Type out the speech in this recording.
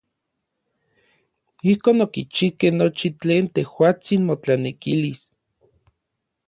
Ijkon okichijkej nochi tlen tejuatsin motlanekilis.